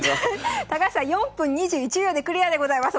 高橋さん４分２１秒でクリアでございます。